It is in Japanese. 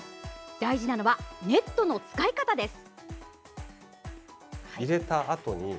大事なのは、ネットの使い方です。